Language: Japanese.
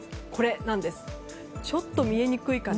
ちょっと見えにくいかな。